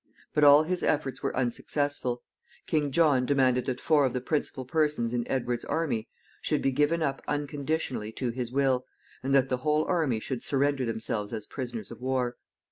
But all his efforts were unsuccessful. King John demanded that four of the principal persons in Edward's army should be given up unconditionally to his will, and that the whole army should surrender themselves as prisoners of war.